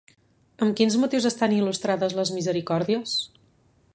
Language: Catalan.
Amb quins motius estan il·lustrades les misericòrdies?